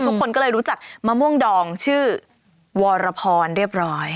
ทุกคนก็เลยรู้จักมะม่วงดองชื่อวรพรเรียบร้อย